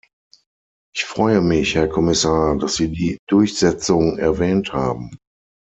Ich freue mich, Herr Kommissar, dass Sie die Durchsetzung erwähnt haben.